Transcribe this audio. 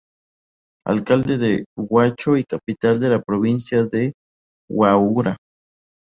Alcalde de Huacho, capital de la Provincia de Huaura.